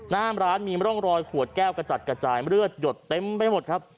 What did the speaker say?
น้ำร้านมีร่องรอยขวดแก้วกระจัดกระจายเลือดหยดเต็มไปหมดครับ